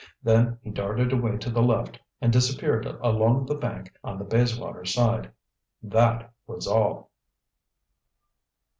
Then he darted away to the left and disappeared along the bank on the Bayswater side. That was all!